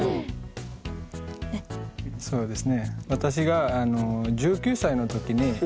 そうですね。